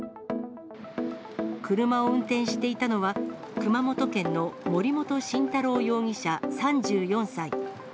車を運転していたのは、熊本県の森本晋太郎容疑者３４歳。